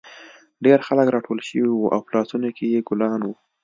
ډېر خلک راټول شوي وو او په لاسونو کې یې ګلان وو